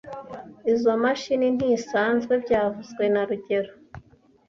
Izoi mashini ntisanzwe byavuzwe na rugero